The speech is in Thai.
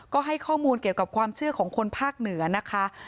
ก็ให้ข้อมูลเกี่ยวกับความเชื่อของคนภาคเหนือนะคะ